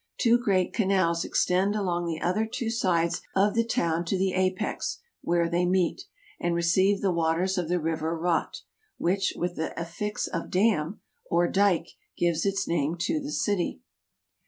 Two great canals extend along the other two sides of the town to the apex, where they meet, and receive the waters of the river Rotte, which, with the affix of dam, or dyke, gives its name to the city.